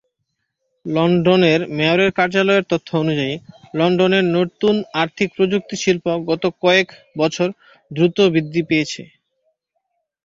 লন্ডনের মেয়রের কার্যালয়ের তথ্য অনুযায়ী, লন্ডনের নতুন আর্থিক প্রযুক্তি শিল্প গত কয়েক বছরে দ্রুত বৃদ্ধি পেয়েছে।